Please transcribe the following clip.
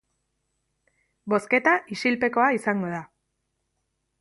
Bozketa isilpekoa izango da.